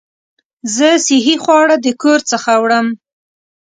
زه صحي خواړه د کور څخه وړم.